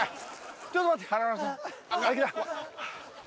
ちょっと待って。